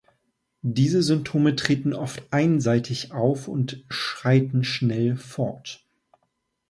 Diese Symptome treten oft einseitig auf und schreiten schnell fort.